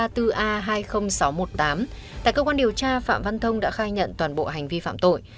tại cơ quan điều tra phạm văn thông đã khai nhận toàn bộ hành vi phạm tội